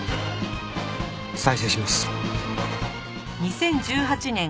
再生します。